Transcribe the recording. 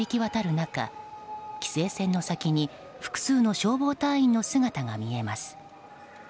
中規制線の先に複数の消防隊員の姿が見えます。